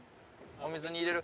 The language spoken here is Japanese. お水に入れる？